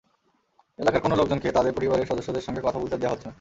এলাকার কোনো লোকজনকে তাঁদের পরিবারের সদস্যদের সঙ্গে কথা বলতে দেওয়া হচ্ছে না।